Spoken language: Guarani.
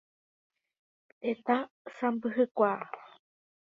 Tetã sãmbyhykuaa.